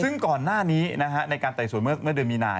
ซึ่งก่อนหน้านี้ในการไต่สวนเมื่อเดือนมีนา